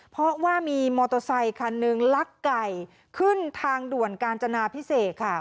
เพราะว่ามีมอเตอร์ไซคันหนึ่งลักไก่ขึ้นทางด่วนกาญจนาพิเศษค่ะ